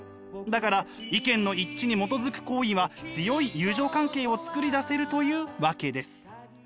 だから意見の一致にもとづく好意は強い友情関係を作り出せるというわけです。